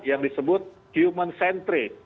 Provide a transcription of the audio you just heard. yang disebut human centric